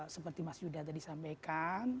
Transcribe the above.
seperti mas yuda tadi sampaikan